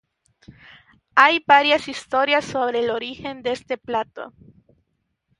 Hay varias historias sobre el origen de este plato.